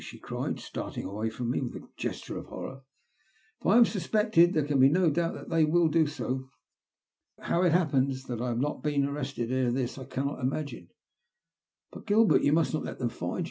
she cried, starting away from mo with a gesture of horror. " If I am suspected, there can be no doubt that they will do so. How it happens that I have not been arrested ere this I cannot imagine." *' But, Gilbert, you must not let them find you.